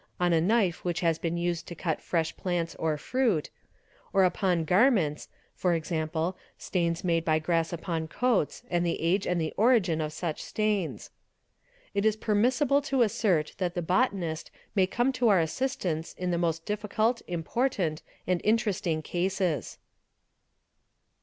on a knife which has been used to cut fresh plants or fruit), or upon garments (e.g., stains made by grass upon coats, and the age and the origin of such stains). It is permissible to assert that the botanist may come to our assistance in the most difficult important, and interesting cases.